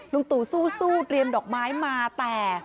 ตู่สู้เตรียมดอกไม้มาแต่